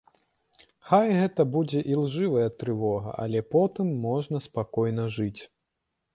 Хай гэта будзе ілжывая трывога, але потым можна спакойна жыць.